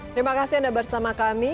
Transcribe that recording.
terima kasih anda bersama kami